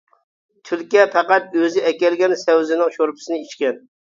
تۈلكە پەقەت ئۆزى ئەكەلگەن سەۋزىنىڭ شورپىسىنى ئىچكەن.